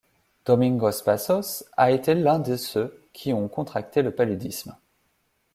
Domingos Passos a été l'un de ceux qui ont contracté le paludisme.